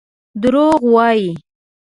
دروغ وايي.